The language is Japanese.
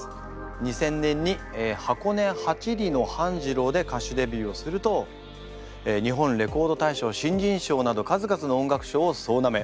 ２０００年に「箱根八里の半次郎」で歌手デビューをすると日本レコード大賞新人賞など数々の音楽賞を総なめ。